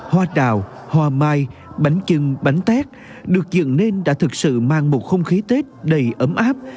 hoa đào hoa mai bánh trưng bánh tét được dựng nên đã thực sự mang một không khí tết đầy ấm áp